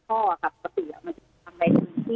เพราะว่าเอกลักษณ์ของทางวางท่อ